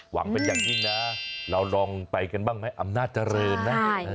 หวังว่ายังยิ่งนะเราลองไปกันบ้างไหมอำนาจเจริญ